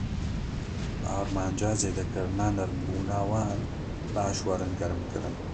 Bi armanca zêdekirina nermbûna wan, baş werin germkirin.